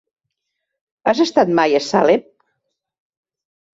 Has estat mai a Salem?